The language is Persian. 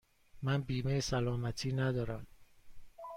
من بیمه سلامتی ندارم.